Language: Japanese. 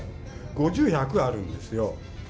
５０１００あるんですよ。